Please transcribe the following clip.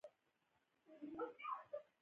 غرمه د کجکي بازار ته ورسېدم.